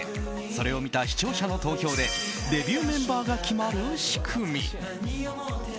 それを見た視聴者の投票でデビューメンバーが決まる仕組み。